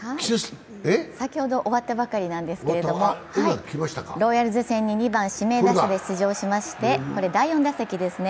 先ほど終わったばかりなんですけれどもロイヤルズ戦に２番・指名打者で出場しましてこれは第４打席ですね。